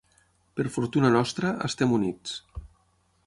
Per fortuna nostra, estem units.